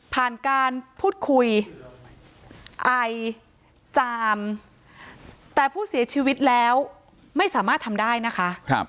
ผ่านการพูดคุยไอจามแต่ผู้เสียชีวิตแล้วไม่สามารถทำได้นะคะ